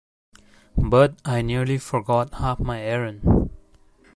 But I nearly forgot half my errand.